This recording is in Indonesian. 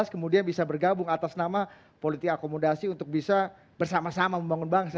kemudian bisa bergabung atas nama politik akomodasi untuk bisa bersama sama membangun bangsa